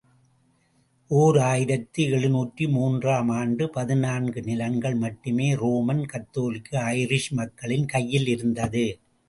ஓர் ஆயிரத்து எழுநூற்று மூன்று ஆம் ஆண்டு பதினான்கு நிலங்கள் மட்டுமே ரோமன் கத்தோலிக்க ஐரிஷ் மக்களின் கையிலிருந்தது.